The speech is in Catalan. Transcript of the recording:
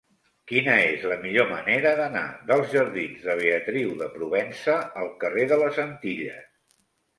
Quina és la millor manera d'anar dels jardins de Beatriu de Provença al carrer de les Antilles?